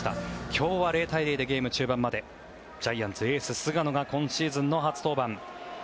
今日は０対０でゲーム中盤までジャイアンツ、エース、菅野が今シーズンの初登板。